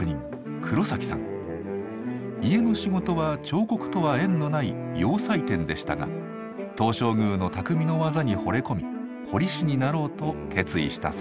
家の仕事は彫刻とは縁のない洋裁店でしたが東照宮の匠の技に惚れ込み彫り師になろうと決意したそうです。